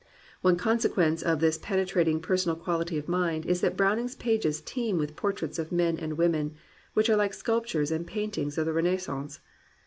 One consequence of this penetrating, personal quality of mind is that Browning's pages teem with portraits of men and women, which are like sculp tures and paintings of the Renaissance.